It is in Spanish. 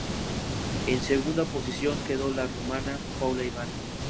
En segunda posición quedó la rumana Paula Ivan.